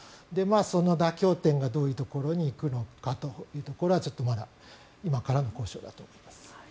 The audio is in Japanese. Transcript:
その妥協点がどういうところに行くのかというのはちょっとまだ今からの交渉だと思います。